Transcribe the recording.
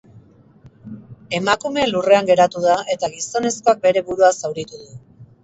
Emakumea lurrean geratu da, eta gizonezkoak bere burua zauritu du.